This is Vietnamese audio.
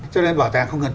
cho nên bảo tàng không cần